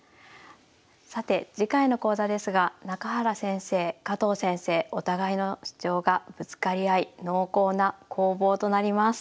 さて次回の講座ですが中原先生加藤先生お互いの主張がぶつかり合い濃厚な攻防となります。